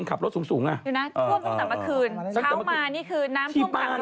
ข้าวใส่ข้าว